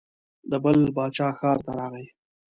د بل باچا ښار ته راغی.